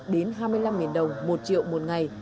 đến hai mươi năm đồng một triệu một ngày